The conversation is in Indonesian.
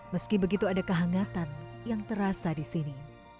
meski begitu ada kehangatan yang terasa di sini